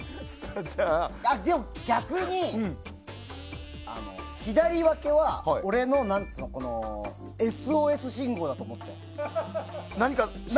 でも逆に、左分けは俺のＳＯＳ信号だと思って。